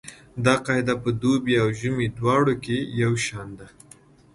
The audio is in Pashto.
دا قاعده په دوبي او ژمي دواړو کې یو شان ده